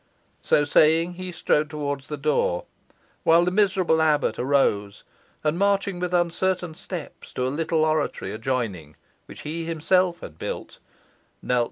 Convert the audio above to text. So saying, he strode towards the door, while the miserable abbot arose, and marching with uncertain steps to a little oratory adjoining, which he himself had built, knelt down before the altar, and strove to pray.